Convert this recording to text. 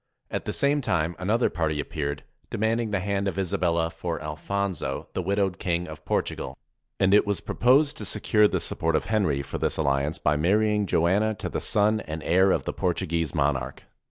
At the same time another party appeared, demanding the hand of Isabella for Alfonso, the widowed King of Portugal. And it was proposed to secure the support of Henry for this alliance by marrying Joanna to the son and heir of the Portuguese monarch.